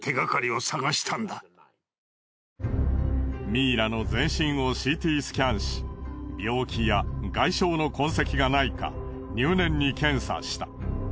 ミイラの全身をＣＴスキャンし病気や外傷の痕跡がないか入念に検査した。